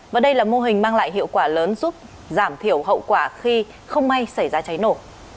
và đây là mô hình mang lại hiệu quả lớn giúp giảm thiểu hậu quả khi không may xảy ra cháy nổ